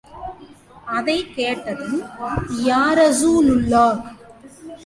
அதைக் கேட்டதும், யாரஸூலுல்லாஹ்!